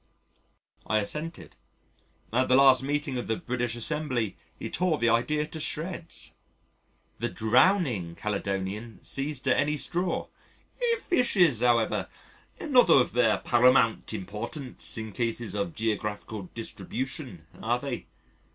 I assented. "At the last meeting of the British Ass. he tore the idea to shreds." The drowning Caledonian seized at any straw: "Fishes, however, are not of paramount importance in cases of geographical distribution, are they?"